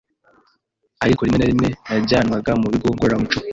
ariko rimwe na rimwe najyanwaga mu bigo ngororamuco